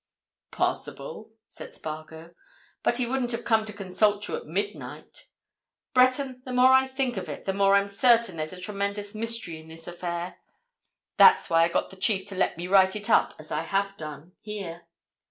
"Possible," said Spargo. "But he wouldn't have come to consult you at midnight. Breton!—the more I think of it, the more I'm certain there's a tremendous mystery in this affair! That's why I got the chief to let me write it up as I have done—here.